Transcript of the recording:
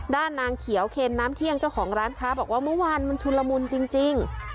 นางเขียวเคนน้ำเที่ยงเจ้าของร้านค้าบอกว่าเมื่อวานมันชุนละมุนจริง